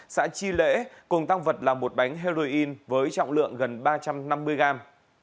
xã chi lễ cùng tăng vật là một bánh heroin với trọng lượng gần ba trăm năm mươi gram